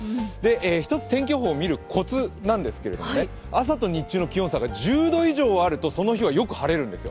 一つ天気予報を見るコツなんですけども、朝と日中の気温差が１０度以上あると、その日はよく晴れるんですよ。